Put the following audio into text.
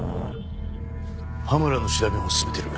羽村の調べも進めてる。